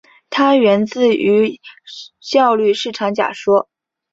它源自于效率市场假说。